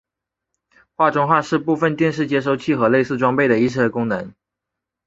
画中画是部分电视接收器和类似设备的一项功能。